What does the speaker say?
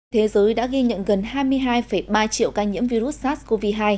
thế giới đã ghi nhận gần hai mươi hai ba triệu ca nhiễm virus sars cov hai